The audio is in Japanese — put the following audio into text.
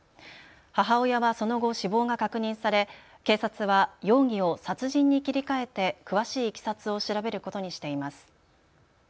母親はその後、死亡が確認され警察は容疑を殺人に切り替えて詳しいいきさつを調べることにしています。